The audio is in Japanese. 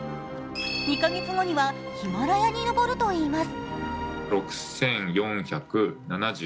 ２か月後にはヒマラヤに登るといいます。